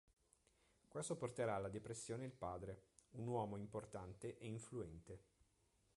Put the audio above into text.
Questo porterà alla depressione il padre, un uomo importante e influente.